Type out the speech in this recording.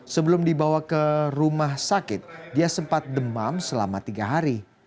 sebelum dibawa ke rumah sakit dia sempat demam selama tiga hari